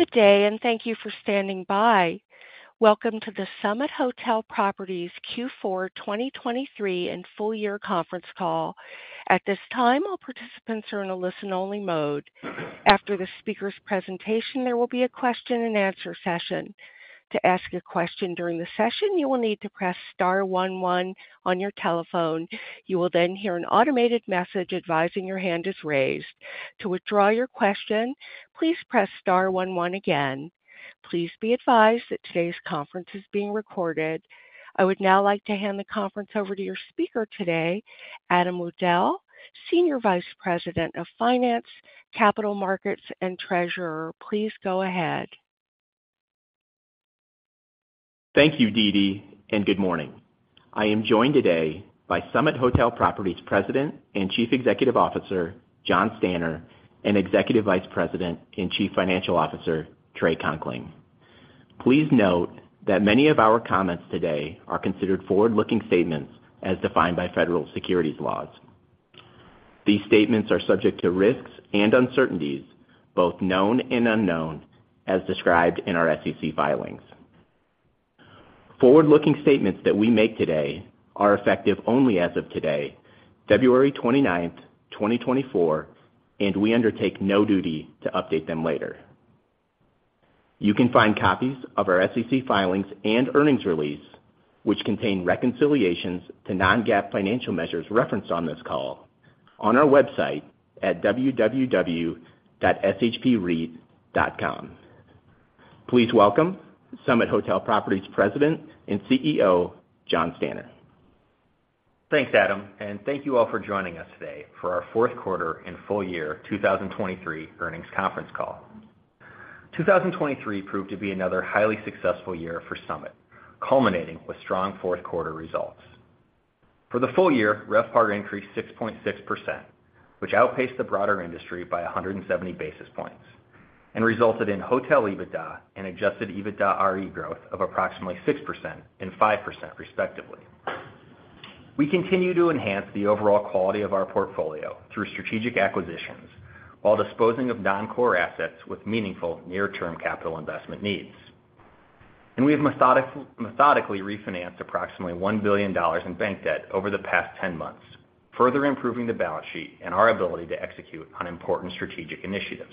Good day, and thank you for standing by. Welcome to the Summit Hotel Properties Q4 2023 and full-year conference call. At this time, all participants are in a listen-only mode. After the speaker's presentation, there will be a question-and-answer session. To ask a question during the session, you will need to press star 11 on your telephone. You will then hear an automated message advising your hand is raised. To withdraw your question, please press star 11 again. Please be advised that today's conference is being recorded. I would now like to hand the conference over to your speaker today, Adam Wudel, Senior Vice President of Finance, Capital Markets, and Treasurer. Please go ahead. Thank you, Dee Dee, and good morning. I am joined today by Summit Hotel Properties President and Chief Executive Officer Jon Stanner and Executive Vice President and Chief Financial Officer Trey Conkling. Please note that many of our comments today are considered forward-looking statements as defined by federal securities laws. These statements are subject to risks and uncertainties, both known and unknown, as described in our SEC filings. Forward-looking statements that we make today are effective only as of today, 29 February 2024, and we undertake no duty to update them later. You can find copies of our SEC filings and earnings release, which contain reconciliations to non-GAAP financial measures referenced on this call, on our website at www.shpreit.com. Please welcome Summit Hotel Properties President and CEO Jon Stanner. Thanks, Adam, and thank you all for joining us today for our Q4 and full-year 2023 earnings conference call. 2023 proved to be another highly successful year for Summit, culminating with strong Q4 results. For the full year, RevPAR increased 6.6%, which outpaced the broader industry by 170 basis points, and resulted in hotel EBITDA and adjusted EBITDA-RE growth of approximately 6% and 5%, respectively. We continue to enhance the overall quality of our portfolio through strategic acquisitions while disposing of non-core assets with meaningful near-term capital investment needs. We have methodically refinanced approximately $1 billion in bank debt over the past 10 months, further improving the balance sheet and our ability to execute on important strategic initiatives.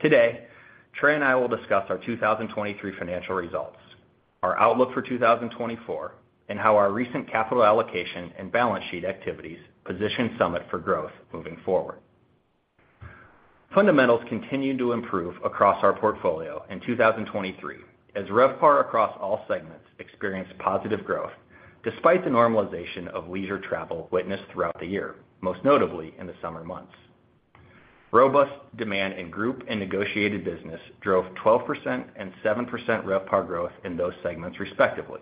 Today, Trey and I will discuss our 2023 financial results, our outlook for 2024, and how our recent capital allocation and balance sheet activities position Summit for growth moving forward. Fundamentals continue to improve across our portfolio in 2023 as RevPAR across all segments experienced positive growth despite the normalization of leisure travel witnessed throughout the year, most notably in the summer months. Robust demand in group and negotiated business drove 12% and 7% RevPAR growth in those segments, respectively,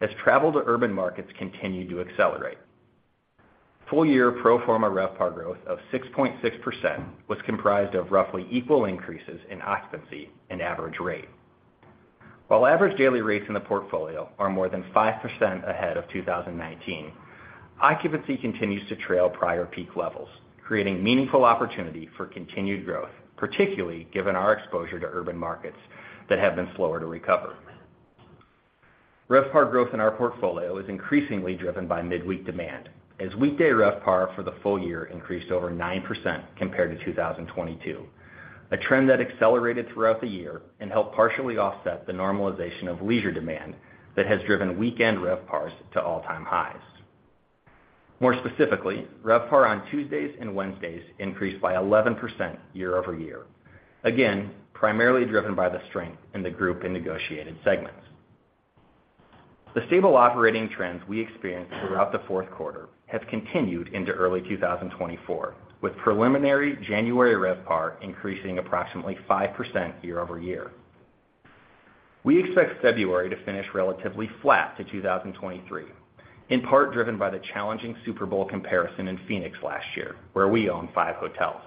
as travel to urban markets continued to accelerate. Full-year pro forma RevPAR growth of 6.6% was comprised of roughly equal increases in occupancy and average rate. While average daily rates in the portfolio are more than 5% ahead of 2019, occupancy continues to trail prior peak levels, creating meaningful opportunity for continued growth, particularly given our exposure to urban markets that have been slower to recover. RevPAR growth in our portfolio is increasingly driven by midweek demand as weekday RevPAR for the full year increased over 9% compared to 2022, a trend that accelerated throughout the year and helped partially offset the normalization of leisure demand that has driven weekend RevPARs to all-time highs. More specifically, RevPAR on Tuesdays and Wednesdays increased by 11% year-over-year, again primarily driven by the strength in the group and negotiated segments. The stable operating trends we experienced throughout the Q4 have continued into early 2024, with preliminary January RevPAR increasing approximately 5% year-over-year. We expect February to finish relatively flat to 2023, in part driven by the challenging Super Bowl comparison in Phoenix last year, where we own five hotels.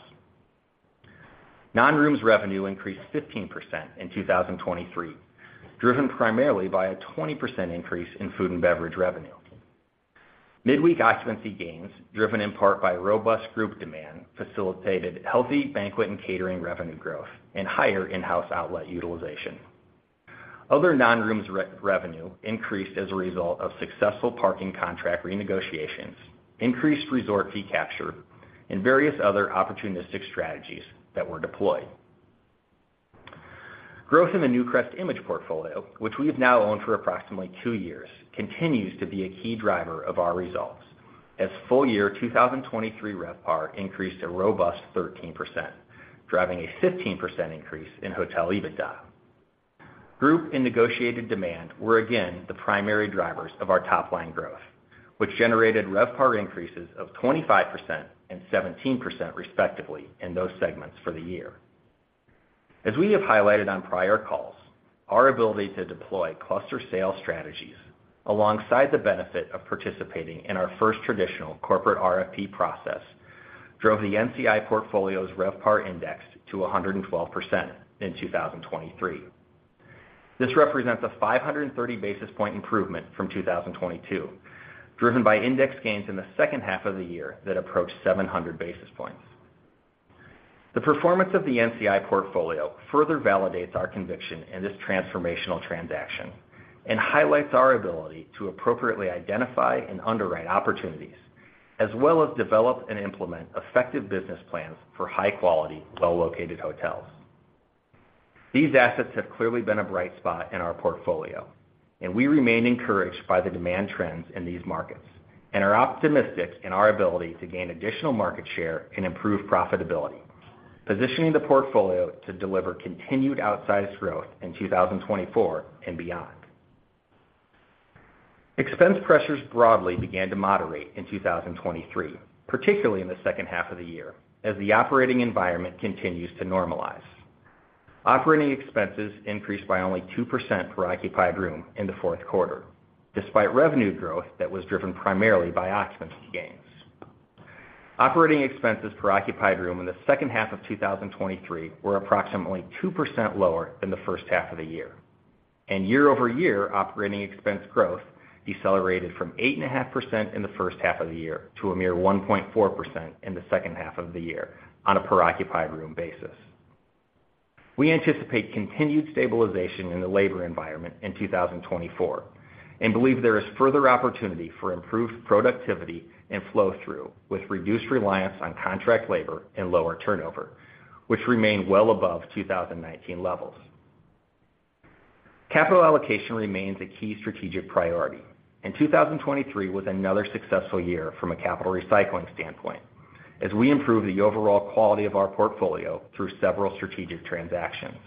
Non-rooms revenue increased 15% in 2023, driven primarily by a 20% increase in food and beverage revenue. Midweek occupancy gains, driven in part by robust group demand, facilitated healthy banquet and catering revenue growth and higher in-house outlet utilization. Other non-rooms revenue increased as a result of successful parking contract renegotiations, increased resort fee capture, and various other opportunistic strategies that were deployed. Growth in the NewcrestImage portfolio, which we have now owned for approximately two years, continues to be a key driver of our results as full-year 2023 RevPAR increased a robust 13%, driving a 15% increase in Hotel EBITDA. Group and negotiated demand were again the primary drivers of our top-line growth, which generated RevPAR increases of 25% and 17%, respectively, in those segments for the year. As we have highlighted on prior calls, our ability to deploy cluster sale strategies alongside the benefit of participating in our first traditional corporate RFP process drove the NCI portfolio's RevPAR index to 112% in 2023. This represents a 530 basis point improvement from 2022, driven by index gains in the second half of the year that approached 700 basis points. The performance of the NCI portfolio further validates our conviction in this transformational transaction and highlights our ability to appropriately identify and underwrite opportunities, as well as develop and implement effective business plans for high-quality, well-located hotels. These assets have clearly been a bright spot in our portfolio, and we remain encouraged by the demand trends in these markets and are optimistic in our ability to gain additional market share and improve profitability, positioning the portfolio to deliver continued outsized growth in 2024 and beyond. Expense pressures broadly began to moderate in 2023, particularly in the second half of the year, as the operating environment continues to normalize. Operating expenses increased by only 2% per occupied room in the Q4, despite revenue growth that was driven primarily by occupancy gains. Operating expenses per occupied room in the second half of 2023 were approximately 2% lower than the first half of the year, and year-over-year, operating expense growth decelerated from 8.5% in the first half of the year to a mere 1.4% in the second half of the year on a per occupied room basis. We anticipate continued stabilization in the labor environment in 2024 and believe there is further opportunity for improved productivity and flow-through with reduced reliance on contract labor and lower turnover, which remain well above 2019 levels. Capital allocation remains a key strategic priority, and 2023 was another successful year from a capital recycling standpoint as we improved the overall quality of our portfolio through several strategic transactions.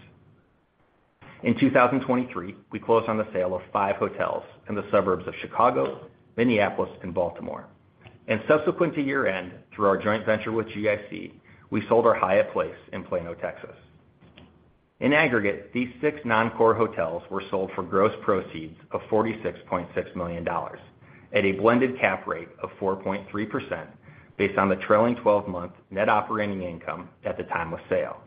In 2023, we closed on the sale of five hotels in the suburbs of Chicago, Minneapolis, and Baltimore. Subsequent to year-end, through our joint venture with GIC, we sold our Hyatt Place in Plano, Texas. In aggregate, these six non-core hotels were sold for gross proceeds of $46.6 million at a blended cap rate of 4.3% based on the trailing 12-month net operating income at the time of sale.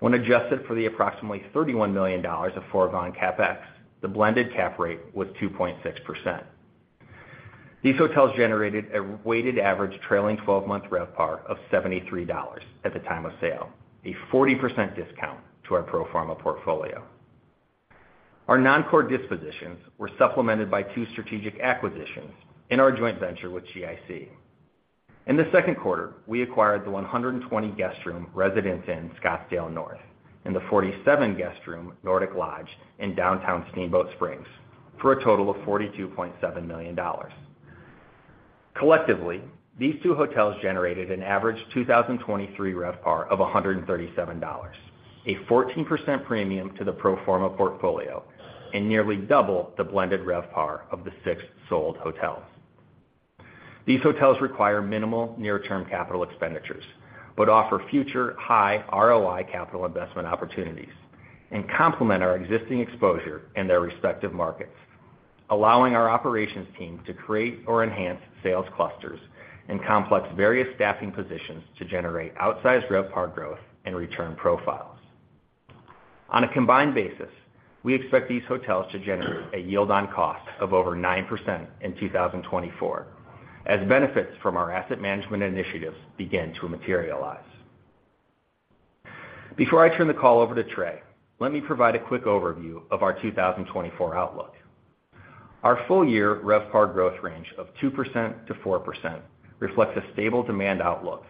When adjusted for the approximately $31 million of foregone CapEx, the blended cap rate was 2.6%. These hotels generated a weighted average trailing 12-month RevPAR of $73 at the time of sale, a 40% discount to our pro forma portfolio. Our non-core dispositions were supplemented by two strategic acquisitions in our joint venture with GIC. In the Q2, we acquired the 120-guest room Residence Inn Scottsdale North and the 47-guest room Nordic Lodge in downtown Steamboat Springs for a total of $42.7 million. Collectively, these two hotels generated an average 2023 RevPAR of $137, a 14% premium to the pro forma portfolio and nearly double the blended RevPAR of the six sold hotels. These hotels require minimal near-term capital expenditures but offer future high ROI capital investment opportunities and complement our existing exposure in their respective markets, allowing our operations team to create or enhance sales clusters and leverage various staffing positions to generate outsized RevPAR growth and return profiles. On a combined basis, we expect these hotels to generate a yield on cost of over 9% in 2024 as benefits from our asset management initiatives begin to materialize. Before I turn the call over to Trey, let me provide a quick overview of our 2024 outlook. Our full-year RevPAR growth range of 2%-4% reflects a stable demand outlook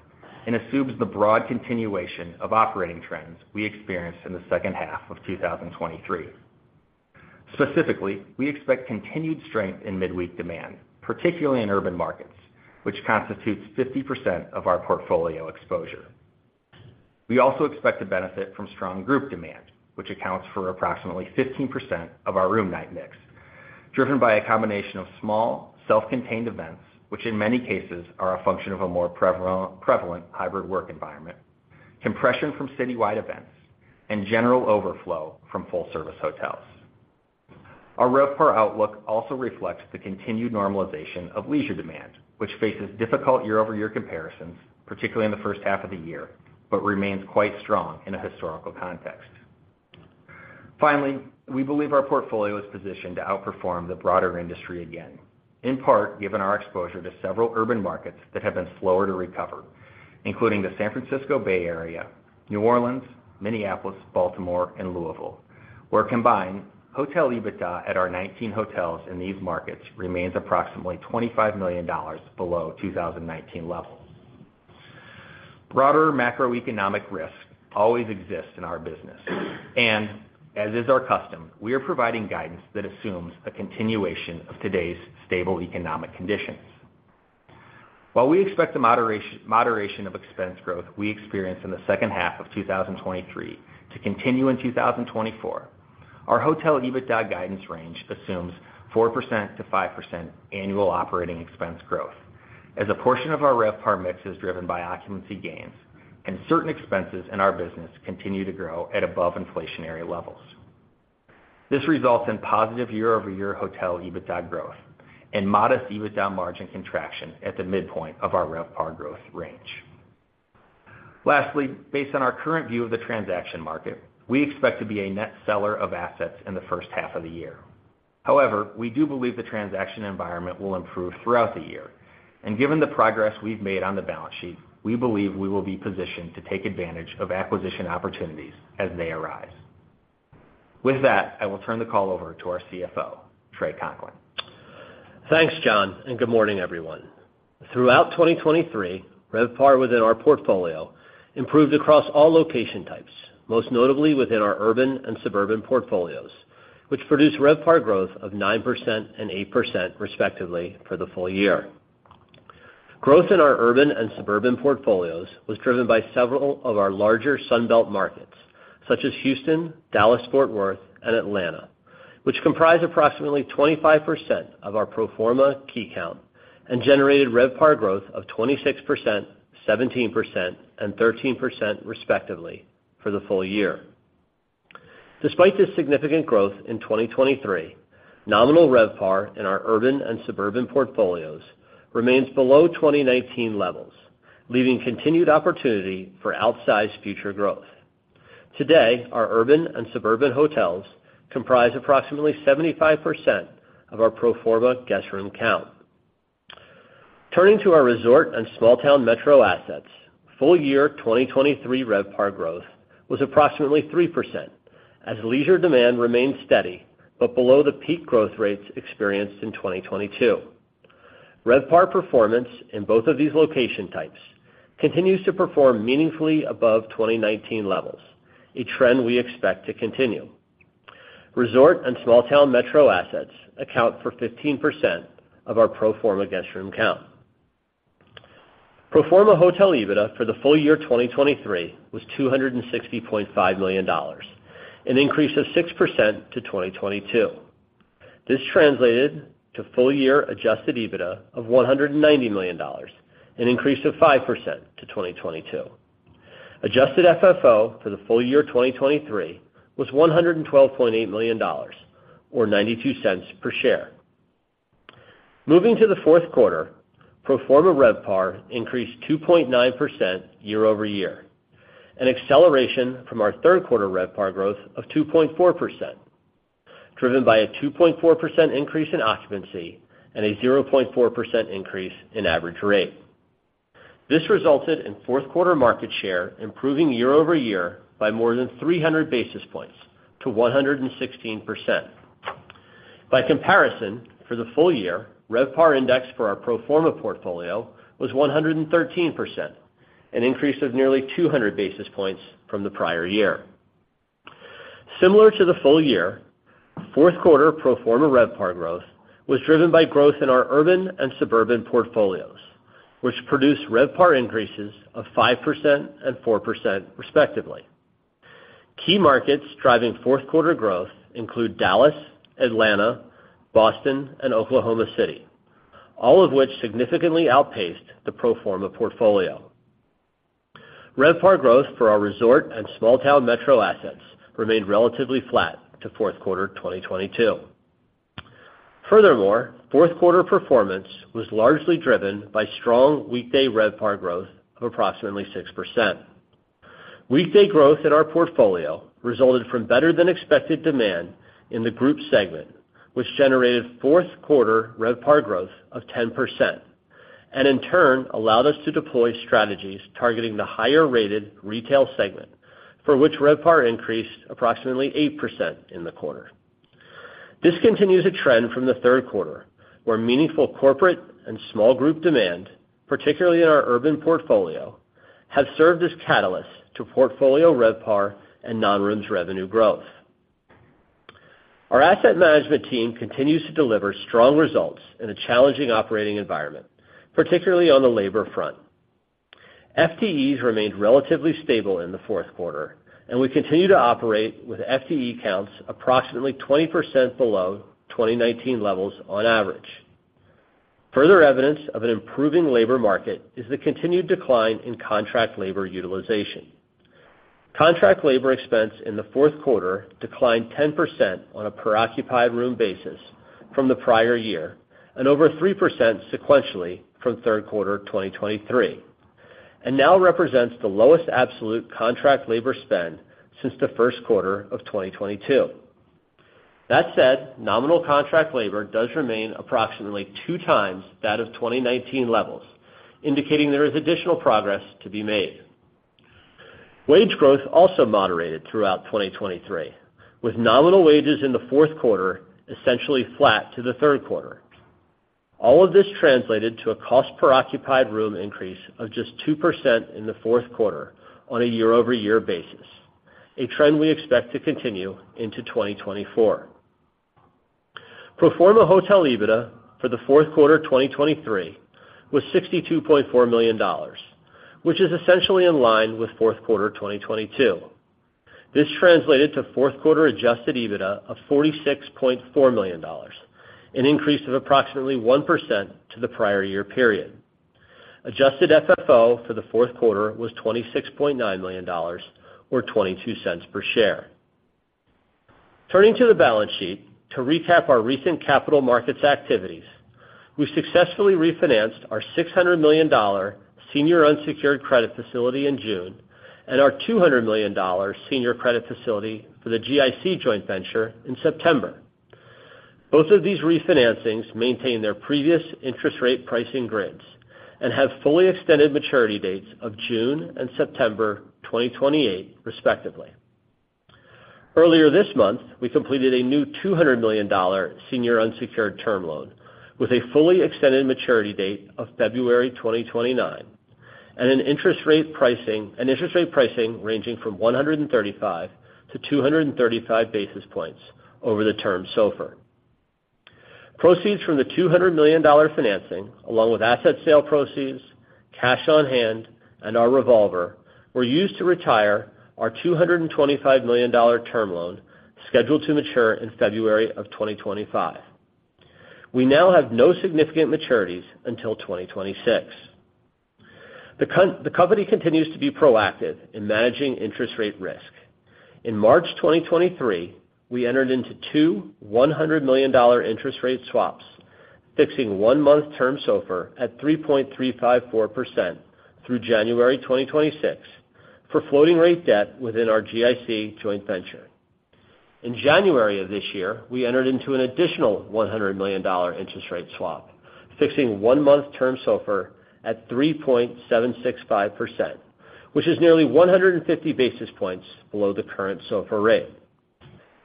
and assumes the broad continuation of operating trends we experienced in the second half of 2023. Specifically, we expect continued strength in midweek demand, particularly in urban markets, which constitutes 50% of our portfolio exposure. We also expect to benefit from strong group demand, which accounts for approximately 15% of our room-night mix, driven by a combination of small self-contained events, which in many cases are a function of a more prevalent hybrid work environment, compression from citywide events, and general overflow from full-service hotels. Our RevPAR outlook also reflects the continued normalization of leisure demand, which faces difficult year-over-year comparisons, particularly in the first half of the year, but remains quite strong in a historical context. Finally, we believe our portfolio is positioned to outperform the broader industry again, in part given our exposure to several urban markets that have been slower to recover, including the San Francisco Bay Area, New Orleans, Minneapolis, Baltimore, and Louisville, where combined hotel EBITDA at our 19 hotels in these markets remains approximately $25 million below 2019 levels. Broader macroeconomic risks always exist in our business, and as is our custom, we are providing guidance that assumes a continuation of today's stable economic conditions. While we expect the moderation of expense growth we experienced in the second half of 2023 to continue in 2024, our hotel EBITDA guidance range assumes 4%-5% annual operating expense growth as a portion of our RevPAR mix is driven by occupancy gains and certain expenses in our business continue to grow at above inflationary levels. This results in positive year-over-year hotel EBITDA growth and modest EBITDA margin contraction at the midpoint of our RevPAR growth range. Lastly, based on our current view of the transaction market, we expect to be a net seller of assets in the first half of the year. However, we do believe the transaction environment will improve throughout the year, and given the progress we've made on the balance sheet, we believe we will be positioned to take advantage of acquisition opportunities as they arise. With that, I will turn the call over to our CFO, Trey Conkling. Thanks, Jon, and good morning, everyone. Throughout 2023, RevPAR within our portfolio improved across all location types, most notably within our urban and suburban portfolios, which produced RevPAR growth of 9% and 8%, respectively, for the full year. Growth in our urban and suburban portfolios was driven by several of our larger Sunbelt markets, such as Houston, Dallas-Fort Worth, and Atlanta, which comprise approximately 25% of our pro forma key count and generated RevPAR growth of 26%, 17%, and 13%, respectively, for the full year. Despite this significant growth in 2023, nominal RevPAR in our urban and suburban portfolios remains below 2019 levels, leaving continued opportunity for outsized future growth. Today, our urban and suburban hotels comprise approximately 75% of our pro forma guest room count. Turning to our resort and small-town metro assets, full-year 2023 RevPAR growth was approximately 3% as leisure demand remained steady but below the peak growth rates experienced in 2022. RevPAR performance in both of these location types continues to perform meaningfully above 2019 levels, a trend we expect to continue. Resort and small-town metro assets account for 15% of our pro forma guest room count. Pro forma hotel EBITDA for the full year 2023 was $260.5 million, an increase of 6% to 2022. This translated to full-year adjusted EBITDA of $190 million, an increase of 5% to 2022. Adjusted FFO for the full year 2023 was $112.8 million or $0.92 per share. Moving to the Q4, pro forma RevPAR increased 2.9% year-over-year, an acceleration from our Q3 RevPAR growth of 2.4%, driven by a 2.4% increase in occupancy and a 0.4% increase in average rate. This resulted in Q4 market share improving year-over-year by more than 300 basis points to 116%. By comparison, for the full year, RevPAR index for our pro forma portfolio was 113%, an increase of nearly 200 basis points from the prior year. Similar to the full year, Q4 pro forma RevPAR growth was driven by growth in our urban and suburban portfolios, which produced RevPAR increases of 5% and 4%, respectively. Key markets driving Q4 growth include Dallas, Atlanta, Boston, and Oklahoma City, all of which significantly outpaced the pro forma portfolio. RevPAR growth for our resort and small-town metro assets remained relatively flat to Q4 2022. furthermore, Q4 performance was largely driven by strong weekday RevPAR growth of approximately 6%. Weekday growth in our portfolio resulted from better-than-expected demand in the group segment, which generated fourth-quarter RefPAR growth of 10% and, in turn, allowed us to deploy strategies targeting the higher-rated retail segment, for which RefPAR increased approximately 8% in the quarter. This continues a trend from the Q3, where meaningful corporate and small-group demand, particularly in our urban portfolio, have served as catalysts to portfolio RefPAR and non-rooms revenue growth. Our asset management team continues to deliver strong results in a challenging operating environment, particularly on the labor front. FTEs remained relatively stable in the Q4, and we continue to operate with FTE counts approximately 20% below 2019 levels on average. Further evidence of an improving labor market is the continued decline in contract labor utilization. Contract labor expense in the Q4 declined 10% on a per-occupied room basis from the prior year and over 3% sequentially from Q3 2023 and now represents the lowest absolute contract labor spend since the Q1 of 2022. That said, nominal contract labor does remain approximately two times that of 2019 levels, indicating there is additional progress to be made. Wage growth also moderated throughout 2023, with nominal wages in the Q4 essentially flat to the Q3. All of this translated to a cost-per-occupied room increase of just 2% in the Q4 on a year-over-year basis, a trend we expect to continue into 2024. Pro forma hotel EBITDA for the Q4 2023 was $62.4 million, which is essentially in line with Q4 2022. This translated to fourth-quarter adjusted EBITDA of $46.4 million, an increase of approximately 1% to the prior year period. Adjusted FFO for the Q4 was $26.9 million or $0.22 per share. Turning to the balance sheet, to recap our recent capital markets activities, we successfully refinanced our $600 million senior unsecured credit facility in June and our $200 million senior credit facility for the GIC joint venture in September. Both of these refinancings maintain their previous interest rate pricing grids and have fully extended maturity dates of June and September 2028, respectively. Earlier this month, we completed a new $200 million senior unsecured term loan with a fully extended maturity date of February 2029 and an interest rate pricing ranging from 135-235 basis points over Term SOFR. Proceeds from the $200 million financing, along with asset sale proceeds, cash on hand, and our revolver, were used to retire our $225 million term loan scheduled to mature in February of 2025. We now have no significant maturities until 2026. The company continues to be proactive in managing interest rate risk. In March 2023, we entered into two $100 million interest rate swaps, fixing one-month Term SOFR at 3.354% through January 2026 for floating-rate debt within our GIC joint venture. In January of this year, we entered into an additional $100 million interest rate swap, fixing one-month Term SOFR at 3.765%, which is nearly 150 basis points below the current SOFR rate.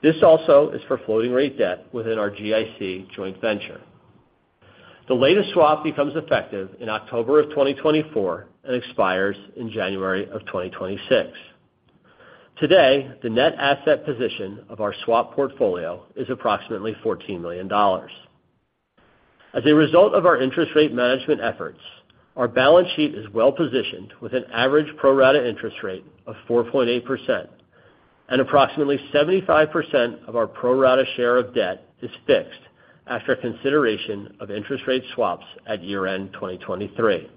This also is for floating-rate debt within our GIC joint venture. The latest swap becomes effective in October of 2024 and expires in January of 2026. Today, the net asset position of our swap portfolio is approximately $14 million. As a result of our interest rate management efforts, our balance sheet is well-positioned with an average pro-rata interest rate of 4.8%, and approximately 75% of our pro-rata share of debt is fixed after consideration of interest rate swaps at year-end 2023.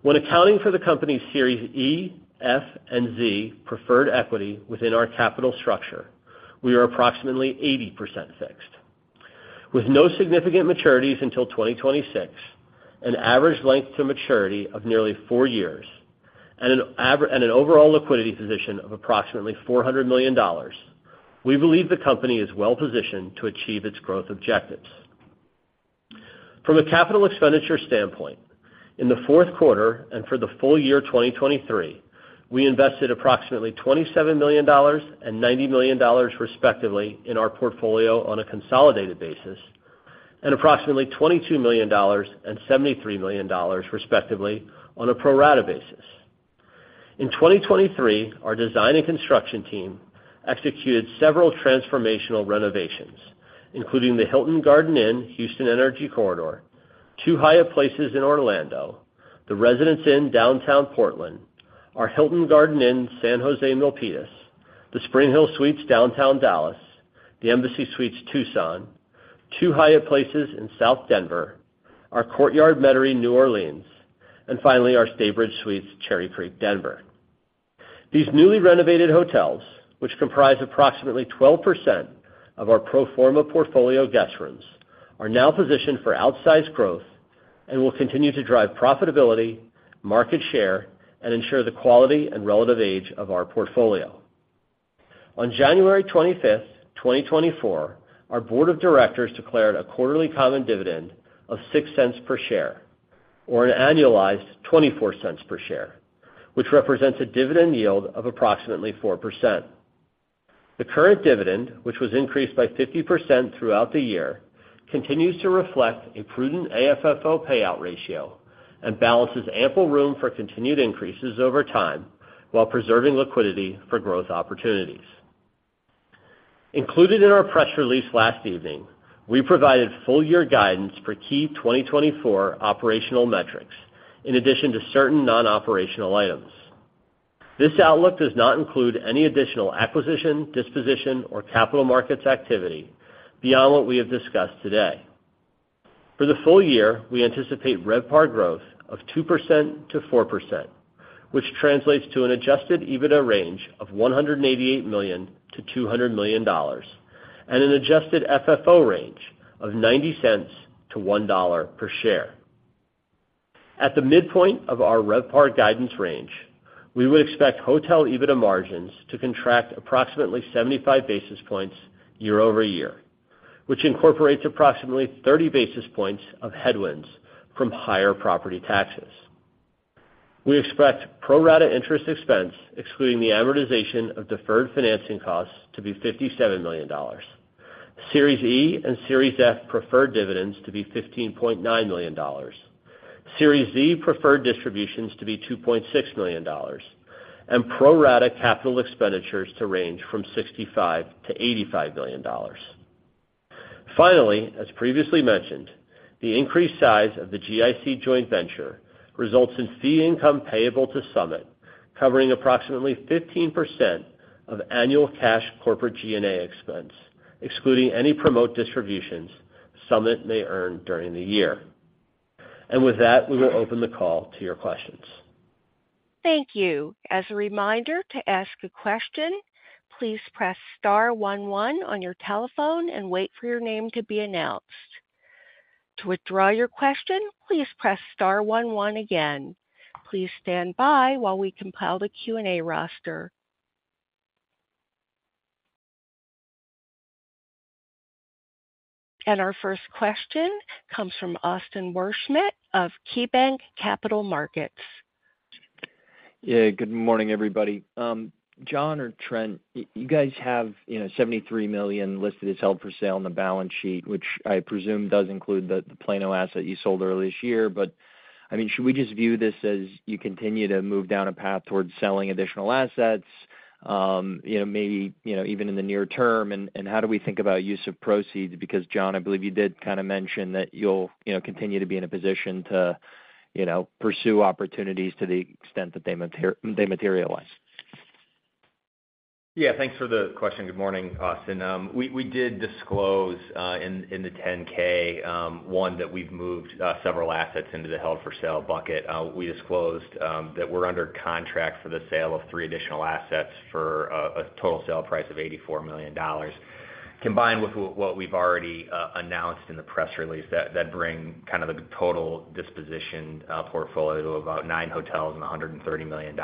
When accounting for the company's Series E, F, and Z preferred equity within our capital structure, we are approximately 80% fixed. With no significant maturities until 2026, an average length to maturity of nearly four years, and an overall liquidity position of approximately $400 million, we believe the company is well-positioned to achieve its growth objectives. From a capital expenditure standpoint, in the Q4 and for the full year 2023, we invested approximately $27 million and $90 million, respectively, in our portfolio on a consolidated basis and approximately $22 million and $73 million, respectively, on a pro-rata basis. In 2023, our design and construction team executed several transformational renovations, including the Hilton Garden Inn Houston Energy Corridor, two Hyatt Places in Orlando, the Residence Inn downtown Portland, our Hilton Garden Inn San Jose Milpitas, the SpringHill Suites downtown Dallas, the Embassy Suites Tucson, two Hyatt Places in South Denver, our Courtyard Metairie New Orleans, and finally our Staybridge Suites Cherry Creek Denver. These newly renovated hotels, which comprise approximately 12% of our pro forma portfolio guest rooms, are now positioned for outsized growth and will continue to drive profitability, market share, and ensure the quality and relative age of our portfolio. On 25th January 2024, our board of directors declared a quarterly common dividend of $0.06 per share or an annualized $0.24 per share, which represents a dividend yield of approximately 4%. The current dividend, which was increased by 50% throughout the year, continues to reflect a prudent AFFO payout ratio and balances ample room for continued increases over time while preserving liquidity for growth opportunities. Included in our press release last evening, we provided full-year guidance for key 2024 operational metrics, in addition to certain non-operational items. This outlook does not include any additional acquisition, disposition, or capital markets activity beyond what we have discussed today. For the full year, we anticipate RevPAR growth of 2%-4%, which translates to an adjusted EBITDA range of $188-200 million and an adjusted FFO range of $0.90-$1 per share. At the midpoint of our RevPAR guidance range, we would expect hotel EBITDA margins to contract approximately 75 basis points year-over-year, which incorporates approximately 30 basis points of headwinds from higher property taxes. We expect pro-rata interest expense, excluding the amortization of deferred financing costs, to be $57 million, Series E and Series F preferred dividends to be $15.9 million, Series Z preferred distributions to be $2.6 million, and pro-rata capital expenditures to range from $65-85 million. Finally, as previously mentioned, the increased size of the GIC joint venture results in fee income payable to Summit covering approximately 15% of annual cash corporate G&A expense, excluding any promote distributions Summit may earn during the year. With that, we will open the call to your questions. Thank you. As a reminder, to ask a question, please press star 11 on your telephone and wait for your name to be announced. To withdraw your question, please press star 11 again. Please stand by while we compile the Q&A roster. Our first question comes from Austin Wurschmidt of KeyBanc Capital Markets. Yeah, good morning, everybody. Jon or Trey, you guys have, you know, $73 million listed as held for sale on the balance sheet, which I presume does include the Plano asset you sold earlier this year. But, I mean, should we just view this as you continue to move down a path towards selling additional assets, you know, maybe, you know, even in the near term? How do we think about use of proceeds? Because, Jon, I believe you did kinda mention that you'll, you know, continue to be in a position to, you know, pursue opportunities to the extent that they may materialize. Yeah, thanks for the question. Good morning, Austin. We did disclose in the 10-K that we've moved several assets into the held-for-sale bucket. We disclosed that we're under contract for the sale of three additional assets for a total sale price of $84 million, combined with what we've already announced in the press release that bring kinda the total disposition portfolio to about nine hotels and $130 million.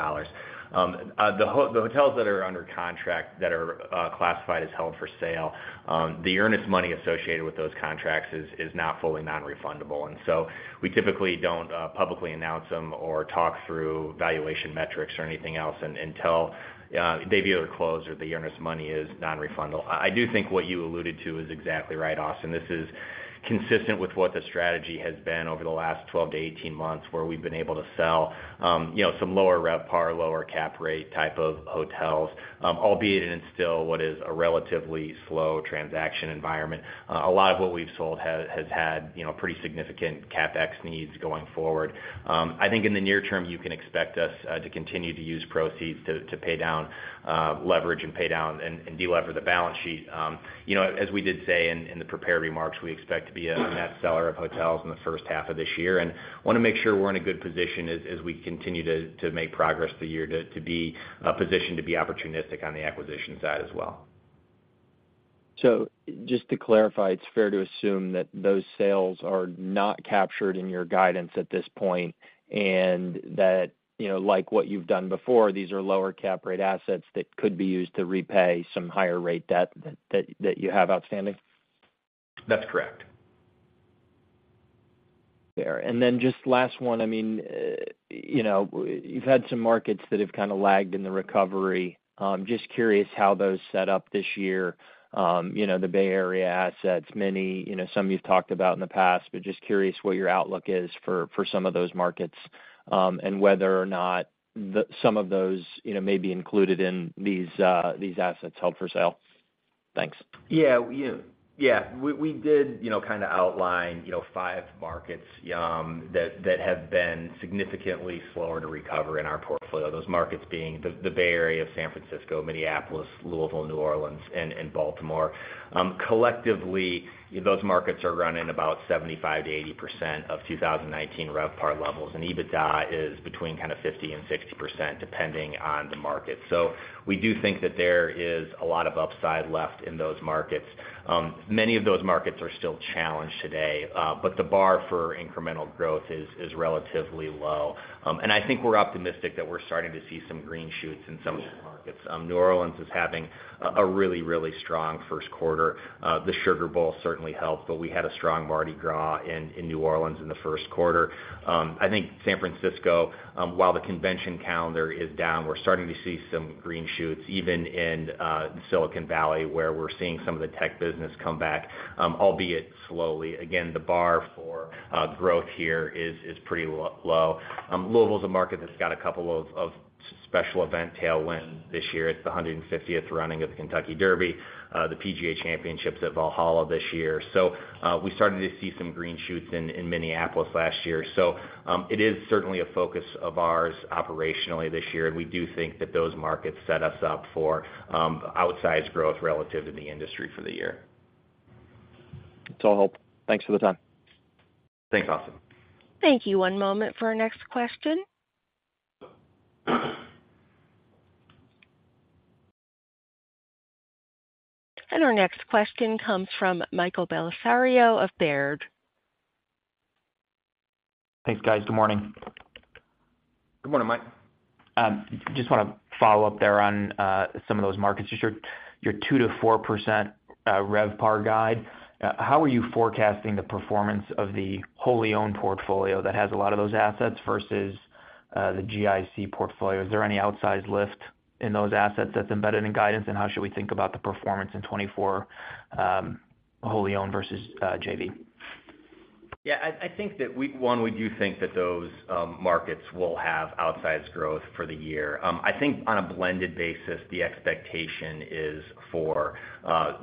The hotels that are under contract that are classified as held for sale, the earnest money associated with those contracts is not fully non-refundable. We typically don't publicly announce them or talk through valuation metrics or anything else and until they've either closed or the earnest money is non-refundable i do think what you alluded to is exactly right, Austin. This is consistent with what the strategy has been over the last 12-18 months, where we've been able to sell, you know, some lower RevPAR, lower cap rate type of hotels, albeit it is still what is a relatively slow transaction environment. A lot of what we've sold has had, you know, pretty significant CapEx needs going forward. I think in the near term, you can expect us to continue to use proceeds to pay down leverage and pay down and delever the balance sheet. You know, as we did say in the prepared remarks, we expect to be a net seller of hotels in the first half of this year. Wanna make sure we're in a good position as we continue to make progress through the year, to be positioned to be opportunistic on the acquisition side as well. Just to clarify, it's fair to assume that those sales are not captured in your guidance at this point and that, you know, like what you've done before, these are lower cap rate assets that could be used to repay some higher rate debt that you have outstanding? That's correct. Fair. Then just last one. I mean, you know, we've had some markets that have kinda lagged in the recovery. Just curious how those set up this year. You know, the Bay Area assets, many, you know, some you've talked about in the past, but just curious what your outlook is for, for some of those markets, and whether or not the some of those, you know, may be included in these, these assets held for sale. Thanks. Yeah, you know, yeah. We, we did, you know, kinda outline, you know, five markets, that, that have been significantly slower to recover in our portfolio, those markets being the, the Bay Area, San Francisco, Minneapolis, Louisville, New Orleans, and, and Baltimore. Collectively, those markets are running about 75%-80% of 2019 RevPAR levels, and EBITDA is between kinda 50%-60%, depending on the market. We do think that there is a lot of upside left in those markets. Many of those markets are still challenged today, but the bar for incremental growth is, is relatively low. I think we're optimistic that we're starting to see some green shoots in some of those markets New Orleans is having a really, really strong Q1. The Sugar Bowl certainly helped, but we had a strong Mardi Gras in New Orleans in the Q1. I think San Francisco, while the convention calendar is down, we're starting to see some green shoots, even in Silicon Valley, where we're seeing some of the tech business come back, albeit slowly. Again, the bar for growth here is pretty low. Louisville's a market that's got a couple of special event tailwinds this year it's the 150th running of the Kentucky Derby, the PGA Championships at Valhalla this year. We started to see some green shoots in Minneapolis last year. It is certainly a focus of ours operationally this year, and we do think that those markets set us up for outsized growth relative to the industry for the year. That's all help. Thanks for the time. Thanks, Austin. Thank you. One moment for our next question. Our next question comes from Michael Bellisario of Baird. Thanks, guys. Good morning. Good morning, Mike. Just wanna follow up there on some of those markets. You shared your 2%-4% RevPAR guide. How are you forecasting the performance of the wholly-owned portfolio that has a lot of those assets versus the GIC portfolio? Is there any outsized lift in those assets that's embedded in guidance, and how should we think about the performance in 2024, wholly-owned versus JV? Yeah, I think that we do think that those markets will have outsized growth for the year. I think on a blended basis, the expectation is for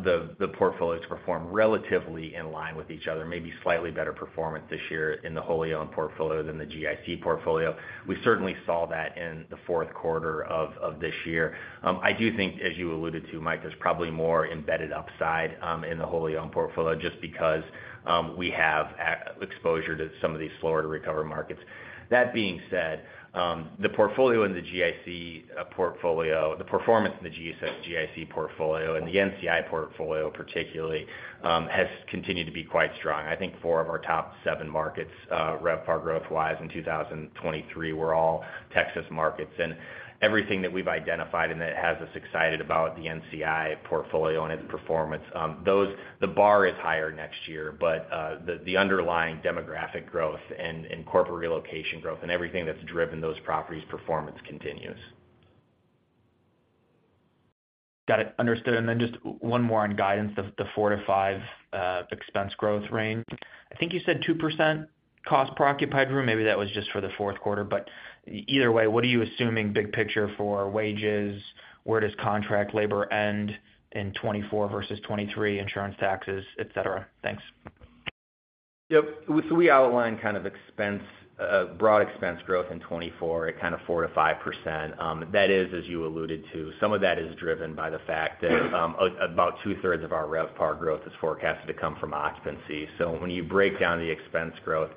the portfolios to perform relatively in line with each other, maybe slightly better performance this year in the wholly-owned portfolio than the GIC portfolio. We certainly saw that in the Q4 of this year. I do think, as you alluded to, Mike, there's probably more embedded upside in the wholly-owned portfolio just because we have exposure to some of these slower-to-recover markets. That being said, the portfolio in the GIC portfolio the performance in the GIC portfolio and the NCI portfolio, particularly, has continued to be quite strong i think four of our top seven markets, RevPAR growth-wise in 2023, were all Texas markets. Everything that we've identified and that has us excited about the NCI portfolio and its performance, those, the bar is higher next year, but the underlying demographic growth and corporate relocation growth and everything that's driven those properties' performance continues. Got it. Understood. Then just one more on guidance, the 4-5 expense growth range. I think you said 2% cost per occupied room maybe that was just for the Q4. But either way, what are you assuming big picture for wages? Where does contract labor end in 2024 versus 2023, insurance, taxes, etc.? Thanks. Yep. We outline kind of broad expense growth in 2024 at kind of 4%-5%. That is, as you alluded to, some of that is driven by the fact that, about two-thirds of our RevPAR growth is forecasted to come from occupancy. When you break down the expense growth,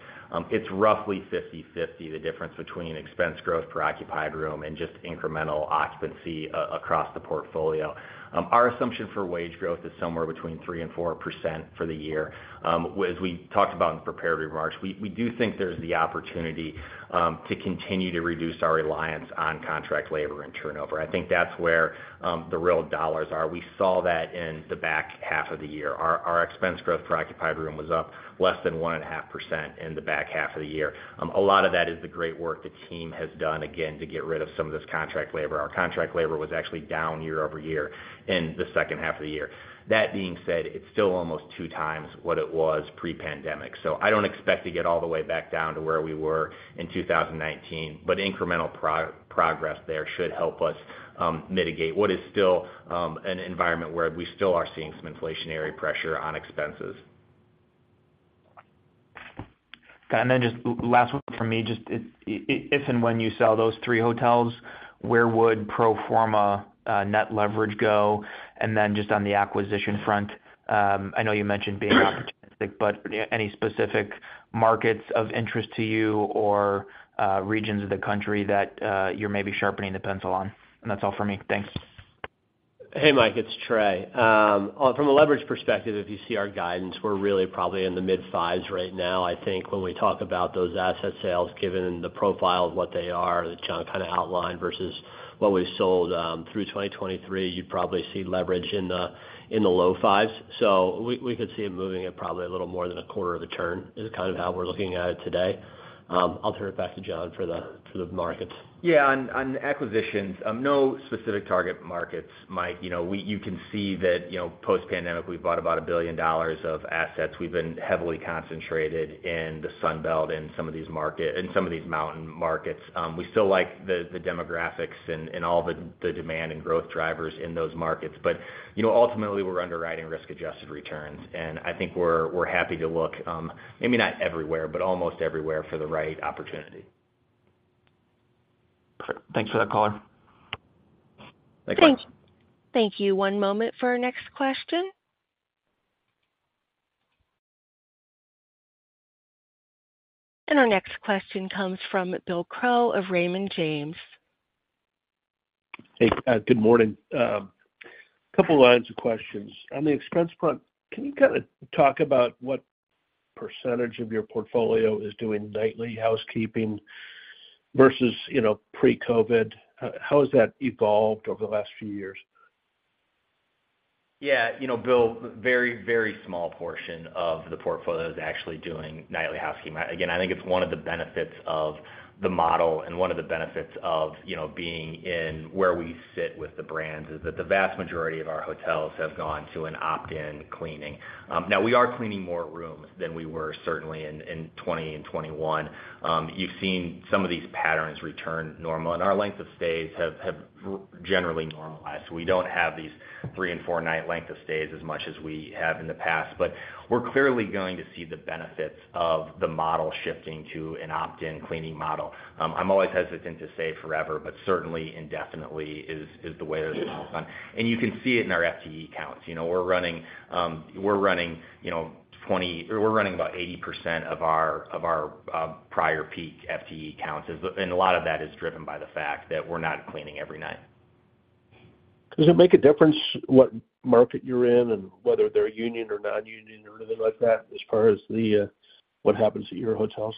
it's roughly 50/50, the difference between expense growth per occupied room and just incremental occupancy across the portfolio. Our assumption for wage growth is somewhere between 3%-4% for the year. As we talked about in the prepared remarks, we do think there's the opportunity to continue to reduce our reliance on contract labor and turnover i think that's where the real dollars are. We saw that in the back half of the year. Our expense growth per occupied room was up less than 1.5% in the back half of the year. A lot of that is the great work the team has done, again, to get rid of some of this contract labor. Our contract labor was actually down year-over-year in the second half of the year. That being said, it's still almost two times what it was pre-pandemic. I don't expect to get all the way back down to where we were in 2019, but incremental progress there should help us mitigate what is still an environment where we still are seeing some inflationary pressure on expenses. Got it. Then just last one from me. Just if and when you sell those three hotels, where would pro forma net leverage go? Then just on the acquisition front, I know you mentioned being opportunistic, but any specific markets of interest to you or regions of the country that you're maybe sharpening the pencil on? And that's all from me. Thanks. Hey, Mike. It's Trey. From a leverage perspective, if you see our guidance, we're really probably in the mid-fives right now. I think when we talk about those asset sales, given the profile of what they are that John kinda outlined versus what we've sold through 2023, you'd probably see leverage in the low-fives. We could see it moving at probably a little more than a quarter of a turn, which is kind of how we're looking at it today. I'll turn it back to John for the markets. Yeah. On acquisitions, no specific target markets, Mike. You know, you can see that, you know, post-pandemic, we've bought about $1 billion of assets we've been heavily concentrated in the Sunbelt and some of these markets in some of these mountain markets. We still like the demographics and all the demand and growth drivers in those markets. You know, ultimately, we're underwriting risk-adjusted returns and I think we're happy to look, maybe not everywhere, but almost everywhere for the right opportunity. Perfect. Thanks for that, Caller. Thanks, Austin. Thank you. One moment for our next question. Our next question comes from Bill Crow of Raymond James. Hey, good morning. Couple lines of questions. On the expense front, can you kinda talk about what percentage of your portfolio is doing nightly housekeeping versus, you know, pre-COVID? How has that evolved over the last few years? Yeah. You know, Bill, very, very small portion of the portfolio is actually doing nightly housekeeping again, I think it's one of the benefits of the model and one of the benefits of, you know, being in where we sit with the brands is that the vast majority of our hotels have gone to an opt-in cleaning. Now, we are cleaning more rooms than we were certainly in, in 2020 and 2021. You've seen some of these patterns return normal, and our length of stays have generally normalized. We don't have these three- and four-night length of stays as much as we have in the past. We're clearly going to see the benefits of the model shifting to an opt-in cleaning model. I'm always hesitant to say forever, but certainly, indefinitely is the way that it's looked on. You can see it in our FTE counts. You know, we're running about 80% of our prior peak FTE counts it's that, and a lot of that is driven by the fact that we're not cleaning every night. Does it make a difference what market you're in and whether they're union or non-union or anything like that as far as what happens at your hotels?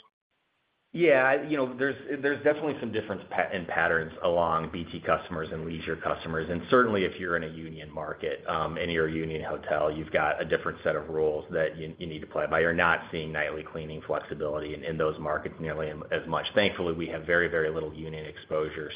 Yeah. You know, there's definitely some differences in patterns among BT customers and leisure customers. Certainly, if you're in a union market, in your union hotel, you've got a different set of rules that you need to play by, you're not seeing nightly cleaning flexibility in those markets nearly as much thankfully, we have very, very little union exposure.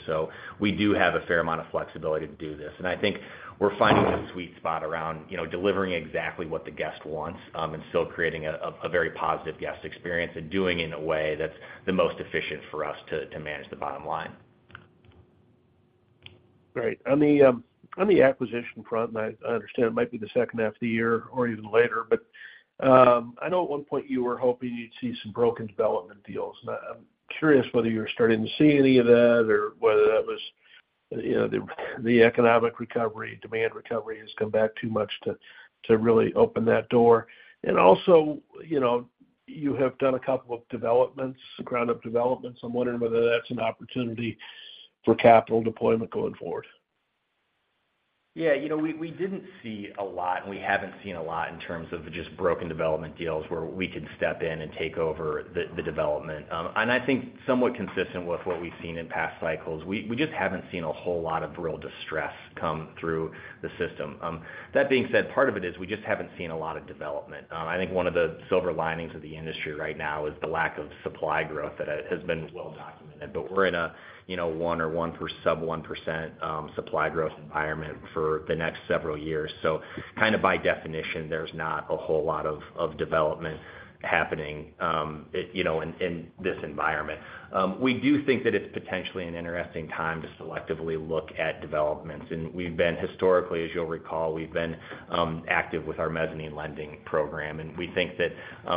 We do have a fair amount of flexibility to do this. I think we're finding the sweet spot around, you know, delivering exactly what the guest wants, and still creating a very positive guest experience and doing it in a way that's the most efficient for us to manage the bottom line. Great. On the acquisition front, and I understand it might be the second half of the year or even later, but I know at one point you were hoping you'd see some broken development deals. I'm curious whether you were starting to see any of that or whether that was, you know, the economic recovery, demand recovery has come back too much to really open that door. Also, you know, you have done a couple of developments, ground-up developments i'm wondering whether that's an opportunity for capital deployment going forward. Yeah. You know, we didn't see a lot, and we haven't seen a lot in terms of the just broken development deals where we could step in and take over the development. I think somewhat consistent with what we've seen in past cycles, we just haven't seen a whole lot of real distress come through the system. That being said, part of it is we just haven't seen a lot of development. I think one of the silver linings of the industry right now is the lack of supply growth that has been well-documented. But we're in a, you know, 1% or sub-1% supply growth environment for the next several years. Kinda by definition, there's not a whole lot of development happening, you know, in this environment. We do think that it's potentially an interesting time to selectively look at developments. We've been historically, as you'll recall, active with our mezzanine lending program. We think that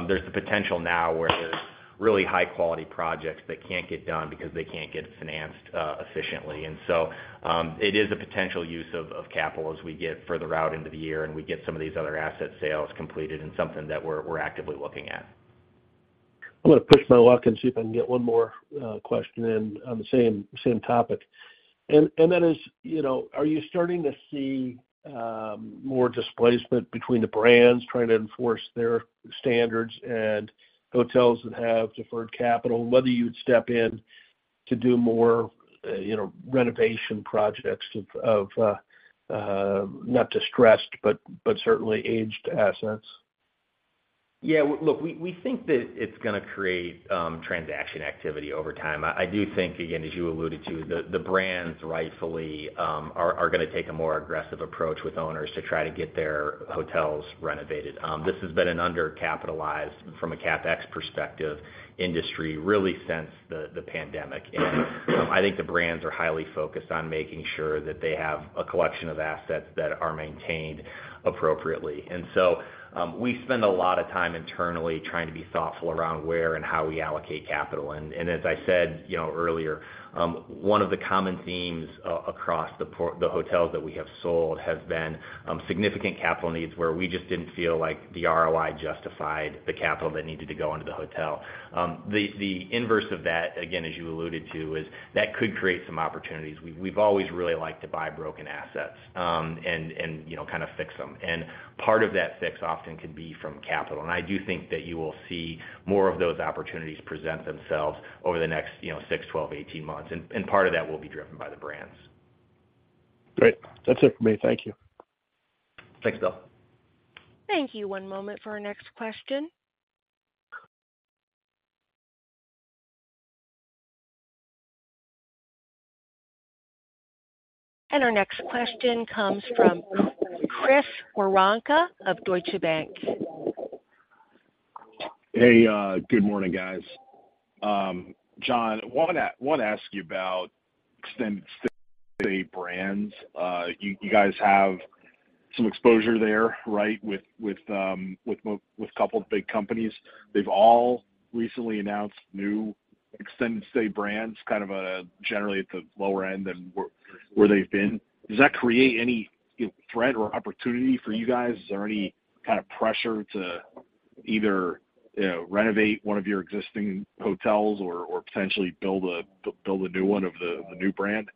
there's the potential now where there's really high-quality projects that can't get done because they can't get financed efficiently. It's is a potential use of capital as we get further out into the year and we get some of these other asset sales completed and something that we're actively looking at. I'm gonna push my luck and see if I can get one more question in on the same topic. That is, you know, are you starting to see more displacement between the brands trying to enforce their standards and hotels that have deferred capital, whether you'd step in to do more, you know, renovation projects of not distressed but certainly aged assets? Yeah. Well, look, we think that it's gonna create transaction activity over time. I do think, again, as you alluded to, the brands rightfully are gonna take a more aggressive approach with owners to try to get their hotels renovated this has been an undercapitalized, from a CapEx perspective, industry really since the pandemic. I think the brands are highly focused on making sure that they have a collection of assets that are maintained appropriately. We spend a lot of time internally trying to be thoughtful around where and how we allocate capital. As I said, you know, earlier, one of the common themes across the portfolio, the hotels that we have sold has been significant capital needs where we just didn't feel like the ROI justified the capital that needed to go into the hotel. The inverse of that, again, as you alluded to, is that could create some opportunities. We, we've always really liked to buy broken assets, and you know, kinda fix them. Part of that fix often could be from capital and I do think that you will see more of those opportunities present themselves over the next, you know, 6, 12, 18 months. Part of that will be driven by the brands. Great. That's it for me. Thank you. Thanks, Bill. Thank you. One moment for our next question. Our next question comes from Chris Woronka of Deutsche Bank. Hey, good morning, guys. John, I wanna ask you about extended stay brands. You guys have some exposure there, right, with more, with a couple of big companies. They've all recently announced new extended stay brands, kind of, generally at the lower end than where they've been. Does that create any, you know, threat or opportunity for you guys? Is there any kinda pressure to either, you know, renovate one of your existing hotels or, or potentially build a new one of the new brand?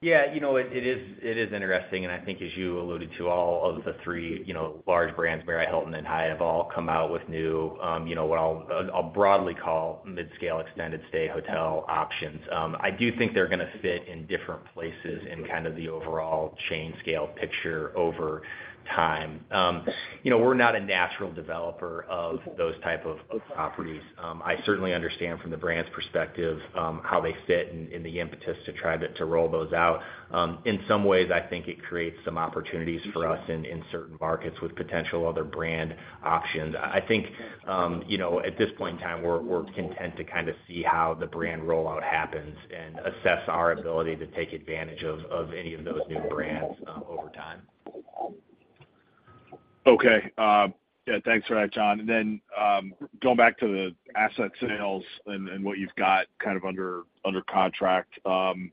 Yeah. You know, it is interesting and I think, as you alluded to, all of the three, you know, large brands, Marriott, Hilton, and Hyatt, have all come out with new, you know, what I'll about broadly call mid-scale extended stay hotel options. I do think they're gonna fit in different places in kind of the overall chain-scale picture over time. You know, we're not a natural developer of those type of, of properties. I certainly understand from the brand's perspective, how they fit in, in the impetus to try to, to roll those out. In some ways, I think it creates some opportunities for us in, in certain markets with potential other brand options. I think, you know, at this point in time, we're content to kinda see how the brand rollout happens and assess our ability to take advantage of any of those new brands, over time. Okay. Yeah. Thanks for that, John. Then, going back to the asset sales and what you've got kind of under contract, and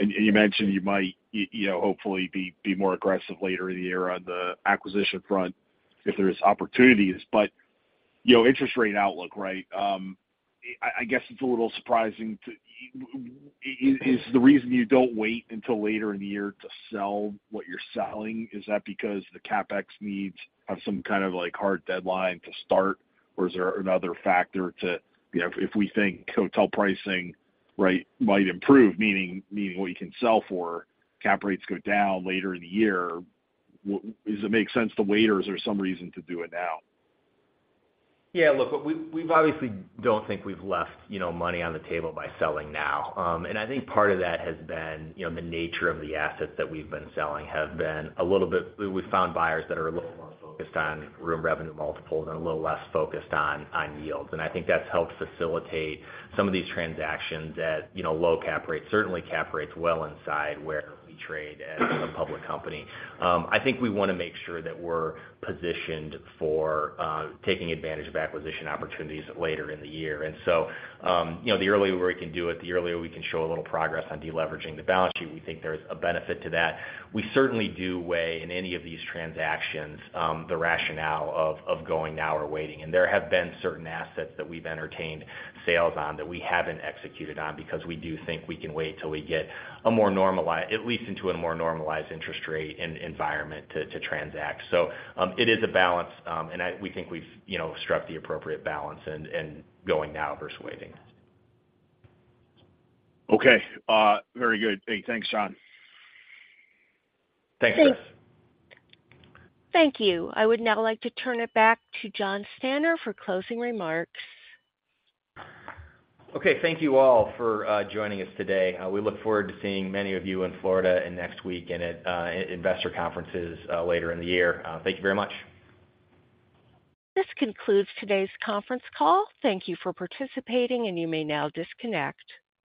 you mentioned you might you know, hopefully, be more aggressive later in the year on the acquisition front if there's opportunities. But, you know, interest rate outlook, right? I guess it's a little surprising to you. Is the reason you don't wait until later in the year to sell what you're selling, is that because the CapEx needs have some kind of, like, hard deadline to start, or is there another factor to, you know, if we think hotel pricing, right, might improve, meaning what you can sell for, cap rates go down later in the year, would it make sense to wait, or is there some reason to do it now? Yeah. Look, we obviously don't think we've left, you know, money on the table by selling now. I think part of that has been, you know, the nature of the assets that we've been selling have been a little bit we've found buyers that are a little more focused on room revenue multiples and a little less focused on yields and I think that's helped facilitate some of these transactions at, you know, low cap rates, certainly cap rates well inside where we trade as a public company. I think we wanna make sure that we're positioned for taking advantage of acquisition opportunities later in the year. You know, the earlier we can do it, the earlier we can show a little progress on deleveraging the balance sheet, we think there's a benefit to that. We certainly do weigh in on any of these transactions the rationale of going now or waiting there have been certain assets that we've entertained sales on that we haven't executed on because we do think we can wait till we get a more normalized, at least into a more normalized interest rate environment to transact. It is a balance, and we think we've, you know, struck the appropriate balance in going now versus waiting. Okay. Very good. Hey, thanks, John. Thanks, Chris. Thanks. Thank you. I would now like to turn it back to Jonathan Stanner for closing remarks. Okay. Thank you all for joining us today. We look forward to seeing many of you in Florida next week and at investor conferences later in the year. Thank you very much. This concludes today's conference call. Thank you for participating, and you may now disconnect.